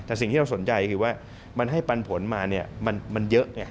แต่สิ่งที่เราสนใจคือว่ามันให้ปันผลมาเนี่ยมันเยอะไง